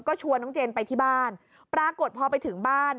ก็ชวนน้องเจนไปที่บ้านปรากฏพอไปถึงบ้าน